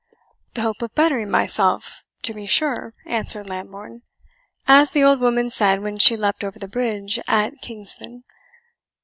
"The hope of bettering myself, to be sure," answered Lambourne, "as the old woman said when she leapt over the bridge at Kingston.